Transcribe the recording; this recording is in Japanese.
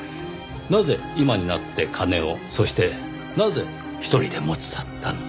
なぜ今になって金をそしてなぜ１人で持ち去ったのか。